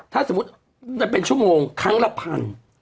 ถ้าสมมุติจะเป็นชั่วโมงครั้งละพัน